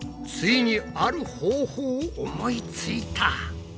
ついにある方法を思いついた。